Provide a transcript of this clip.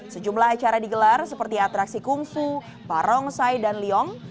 sejumlah acara digelar seperti atraksi kungfu barongsai dan liong